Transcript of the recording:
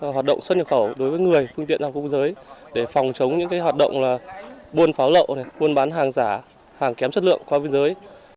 hoạt động xuất nhập khẩu đối với người phương tiện hàng không quốc giới để phòng chống những hoạt động buôn pháo lậu buôn bán hàng giả hàng kém chất lượng qua biên giới